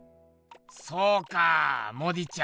そうかモディちゃん